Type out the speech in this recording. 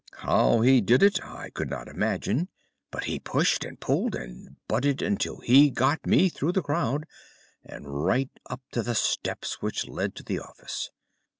How he did it I could not imagine, but he pushed and pulled and butted until he got me through the crowd, and right up to the steps which led to the office.